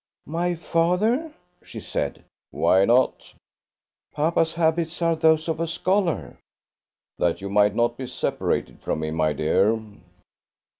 "My father?" she said. "Why not?" "Papa's habits are those of a scholar." "That you might not be separated from him, my dear!"